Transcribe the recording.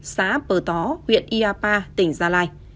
xã bờ tó huyện yapa tỉnh gia lai